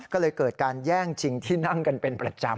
ก็เลยเกิดการแย่งชิงที่นั่งกันเป็นประจำ